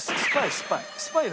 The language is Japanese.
スパイスパイ。